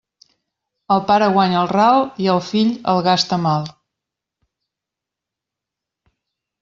El pare guanya el ral i el fill el gasta mal.